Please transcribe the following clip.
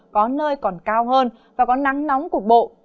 có nơi còn cao hơn và có nắng nóng cục bộ